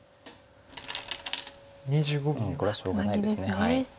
うんこれはしょうがないです。